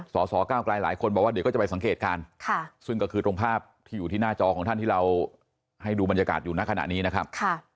สสเก้าไกลหลายคนบอกว่าเดี๋ยวก็จะไปสังเกตการณ์ซึ่งก็คือตรงภาพที่อยู่ที่หน้าจอของท่านที่เราให้ดูบรรยากาศอยู่ในขณะนี้นะครับ